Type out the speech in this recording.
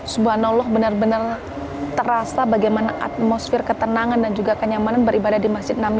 subhanallah benar benar terasa bagaimana atmosfer ketenangan dan juga kenyamanan beribadah di masjid namira ini